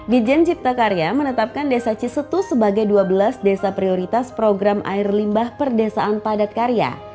dijen cipta karya menetapkan desa cisetus sebagai dua belas desa prioritas program air limbah perdesaan padat karya